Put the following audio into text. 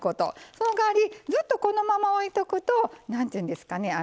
そのかわりずっとこのまま置いとくとなんていうんですかね